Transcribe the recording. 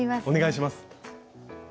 お願いします。